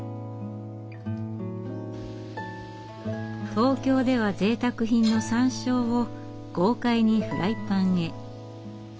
東京ではぜいたく品のサンショウを豪快にフライパンへ。